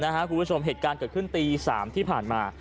คุณผู้ชมเหตุการณ์เกิดขึ้นตี๓ที่ผ่านมา